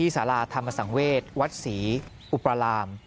สาราธรรมสังเวศวัดศรีอุปราม